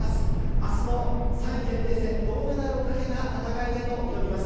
あすの３位決定戦銅メダルをかけた戦いへと挑みます。